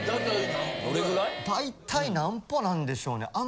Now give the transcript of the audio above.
だいたい何歩なんでしょうね？